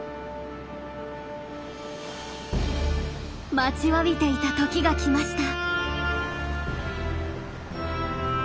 待ちわびていた時が来ました。